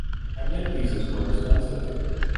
Cabinet pieces were expensive.